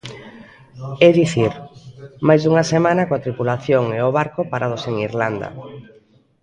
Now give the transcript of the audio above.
É dicir, máis dunha semana coa tripulación e o barco parados en Irlanda.